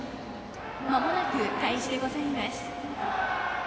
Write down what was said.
まもなく開始でございます。